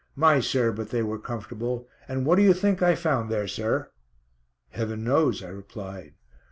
My, sir, but they were comfortable. And what do you think I found there, sir?" "Heaven knows," I replied.